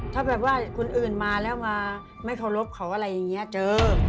ถ้าแบบว่าคนอื่นมาแล้วมาไม่เคารพเขาอะไรอย่างนี้เจอ